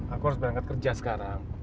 aku harus berangkat kerja sekarang